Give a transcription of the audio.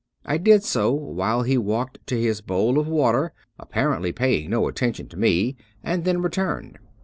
I did so while he walked to his bowl of water apparently paying no attention to me, and then returned.